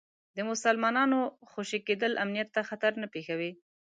د مسلمانانو خوشي کېدل امنیت ته خطر نه پېښوي.